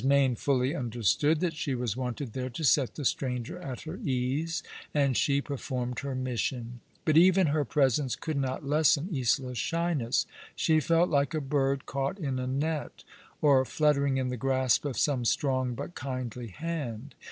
Mayne fully understood that she was wanted there to set the stranger at her ease, and she performed her mission; but even her presence could not lessen Isola's shyness. She felt like a bird caught in a net, or fluttering in the grasp of some strong but kindly hand.